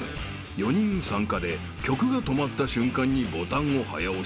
［４人参加で曲が止まった瞬間にボタンを早押し］